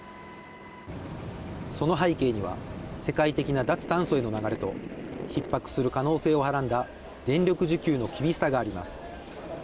その背景には世界的な脱炭素への流れと、ひっ迫する可能性をはらんだ電力需給の厳しさがあります。